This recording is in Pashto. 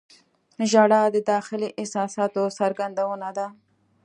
• ژړا د داخلي احساساتو څرګندونه ده.